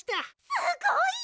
すごいよ！